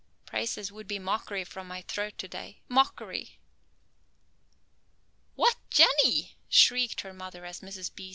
Praises would be mockery from my throat to day, mockery!" "Why, Jenny!" shrieked her mother as Mrs. B.